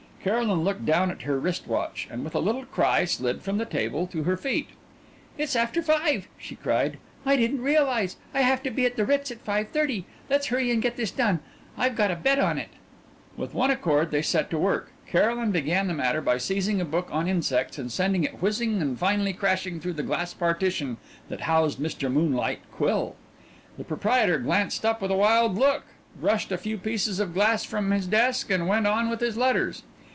Caroline looked down at her wrist watch, and with a little cry slid from the table to her feet. "It's after five," she cried. "I didn't realize. I have to be at the Ritz at five thirty. Let's hurry and get this done. I've got a bet on it." With one accord they set to work. Caroline began the matter by seizing a book on insects and sending it whizzing, and finally crashing through the glass partition that housed Mr. Moonlight Quill. The proprietor glanced up with a wild look, brushed a few pieces of glass from his desk, and went on with his letters.